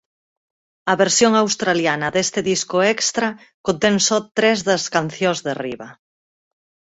A versión australiana deste disco extra contén só tres das cancións de arriba.